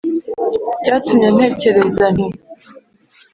byatumye ntekereza nti